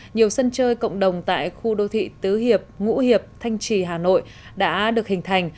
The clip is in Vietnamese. nhiều sân chơi cộng đồng tại khu đô thị tứ hiệp ngũ hiệp thanh trì hà nội đã được hình thành